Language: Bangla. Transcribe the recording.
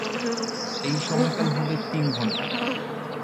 এই সময়কাল হবে তিন ঘণ্টা।